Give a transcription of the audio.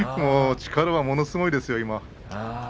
力はものすごいですよ今は。